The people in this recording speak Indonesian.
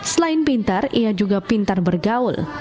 selain pintar ia juga pintar bergaul